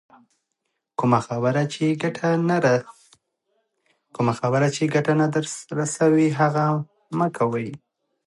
کمه خبر چي ګټه نه در رسوي، هغه مه کوئ!